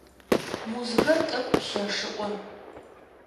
Музыкэр тӏэкӏу лъэшыӏо.